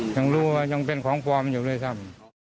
ยังรู้ว่ายังเป็นของปลอมอยู่ด้วยซ้ำ